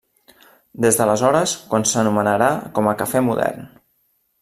Des d'aleshores quan s'anomenarà com a Cafè Modern.